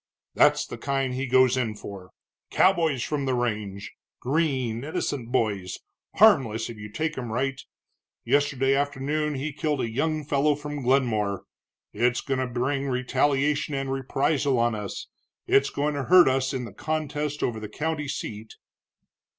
"That's the kind he goes in for, cowboys from the range, green, innocent boys, harmless if you take 'em right. Yesterday afternoon he killed a young fellow from Glenmore. It's going to bring retaliation and reprisal on us, it's going to hurt us in this contest over the county seat."